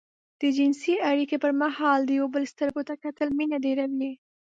د جنسي اړيکې پر مهال د يو بل سترګو ته کتل مينه ډېروي.